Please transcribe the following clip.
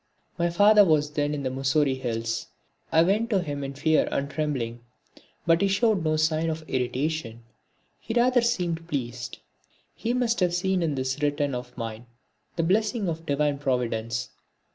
My father was then in the Mussoorie hills. I went to him in fear and trembling. But he showed no sign of irritation, he rather seemed pleased. He must have seen in this return of mine the blessing of Divine Providence.